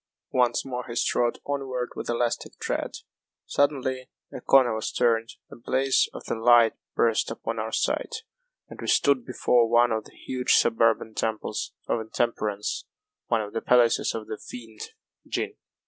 Once more he strode onward with elastic tread. Suddenly a corner was turned, a blaze of light burst upon our sight, and we stood before one of the huge suburban temples of Intemperance one of the palaces of the fiend, Gin.